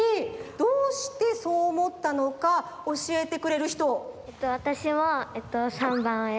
どうしてそうおもったのかおしえてくれるひと？